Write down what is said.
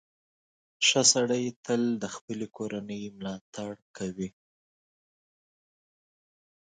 • ښه سړی تل د خپلې کورنۍ ملاتړ کوي.